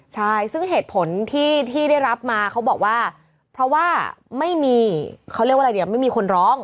ใช่ซึ่งเหตุผลที่ได้รับมาเขาบอกว่าเพราะว่าไม่มีเขาเรียกว่าอะไรดีไม่มีคนร้อง